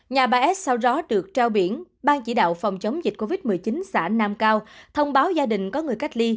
nhà ba s sau đó được trao biển ban chỉ đạo phòng chống dịch covid một mươi chín xã nam cao thông báo gia đình có người cách ly